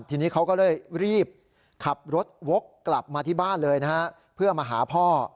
ทีนี้เขาก็เลยรีบขับรถวกกลับมาที่บ้านเลยนะฮะเพื่อมาหาพ่อ